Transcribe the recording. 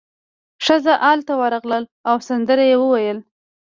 ښځه ال ته ورغله او سندره یې وویله.